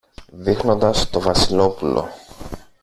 δείχνοντας το Βασιλόπουλο.